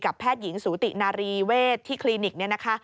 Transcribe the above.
กับแพทย์หญิงสูตินารีเวทที่คลินิก